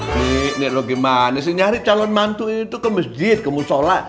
nih nih lu gimana sih nyari calon mantu itu ke masjid ke musolah